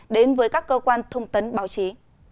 đến với các cơ quan thông tấn báo chí